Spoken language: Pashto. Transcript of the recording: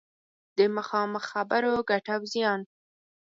د مخامخ خبرو ګټه او زیان